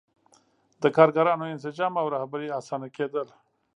د کارګرانو انسجام او رهبري اسانه کېدل.